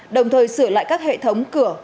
đồng thời sửa lại các hệ thống cửa